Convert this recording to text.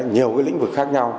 nhiều lĩnh vực khác nhau